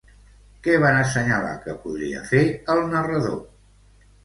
Què van assenyalar que podria fer, el narrador?